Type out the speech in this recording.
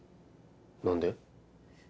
何で？